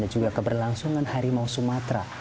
dan juga keberlangsungan harimau sumatera